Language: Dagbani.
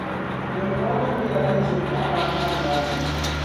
Dimbɔŋɔnim’ maa nyɛla din ʒe pɔhima anahi zaani.